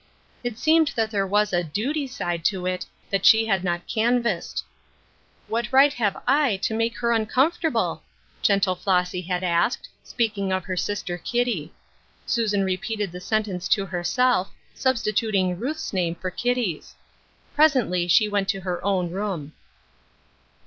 It seemed that there was a duty side to it that she had not can vassed. " What right have I to make her un comfortable ?" gentle Flossy had asked, speaking of her sister Kitty. Susan repeated the sentence to herself, substituting Ruth's name for Kitty's. Presently she went to her own room.